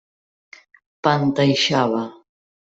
Panteixava.